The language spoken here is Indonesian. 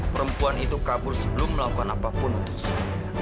perempuan itu kabur sebelum melakukan apapun untuk sang